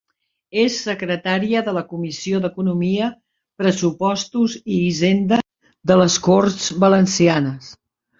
És secretària de la Comissió d'Economia, Pressupostos i Hisenda de les Corts Valencianes.